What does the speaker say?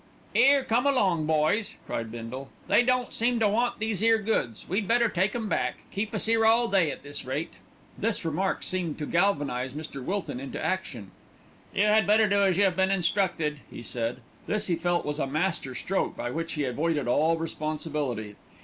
"'Ere, come along, boys!" cried Bindle. "They don't seem to want these 'ere goods. We'd better take 'em back. Keep us 'ere all day at this rate." This remark seemed to galvanise Mr. Wilton into action. "You had better do as you have been instructed," he said. This he felt was a master stroke by which he avoided all responsibility.